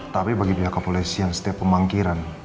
tapi bagi pihak kepolisian setiap pemangkiran